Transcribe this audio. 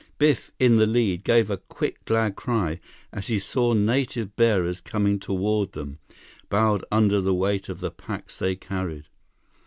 Biff, in the lead, gave a quick glad cry as he saw native bearers coming toward them, bowed under the weight of the packs they carried.